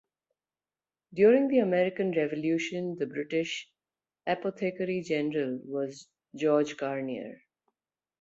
During the American Revolution the British apothecary general was George Garnier.